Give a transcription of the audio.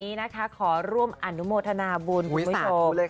วันนี้นะคะขอร่วมอนุโมทนาบุญคุณผู้ชม